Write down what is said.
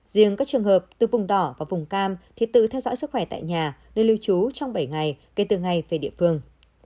riêng các trường hợp từ vùng đỏ và vùng cam thì tự theo dõi sức khỏe tại nhà nơi lưu trú trong bảy ngày kể từ ngày về địa phương